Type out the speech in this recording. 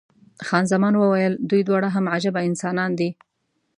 خان زمان وویل، دوی دواړه هم عجبه انسانان دي.